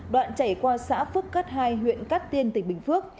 đoạn chảy qua xã phước cát hai huyện cát tiên tỉnh bình phước